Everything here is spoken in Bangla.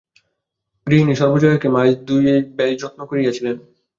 গৃহিণী সর্বজয়াকে মাস দুই বেশ যত্ন করিয়াছিলেন।